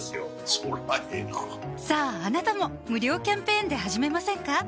そりゃええなさぁあなたも無料キャンペーンで始めませんか？